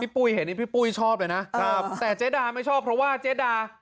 ปุ้ยเห็นนี่พี่ปุ้ยชอบเลยนะครับแต่เจ๊ดาไม่ชอบเพราะว่าเจ๊ดา